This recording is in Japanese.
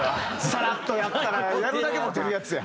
サラッとやったらやるだけモテるやつや。